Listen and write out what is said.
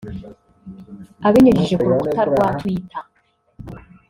Ibinyujije ku rukuta rwa Twitter